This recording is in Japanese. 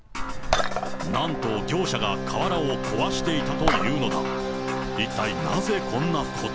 なんと業者が瓦を壊していたというのだ。